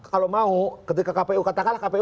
kalau mau ketika kpu katakanlah kpu